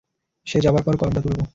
সে যাবার পর কলমটা তুলব।